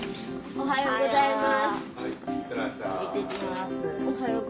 おはようございます。